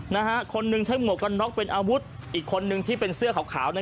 นะฮะคนหนึ่งใช้หมวกกันน็อกเป็นอาวุธอีกคนนึงที่เป็นเสื้อขาวขาวเนี่ย